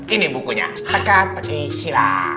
ini bukunya teka teki silang